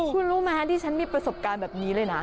คุณรู้ไหมดิฉันมีประสบการณ์แบบนี้เลยนะ